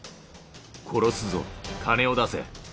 殺すぞ、金を出せ。